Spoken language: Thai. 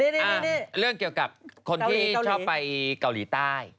เรื่องเกี่ยวกับคนที่ชอบไปเกาหลีใต้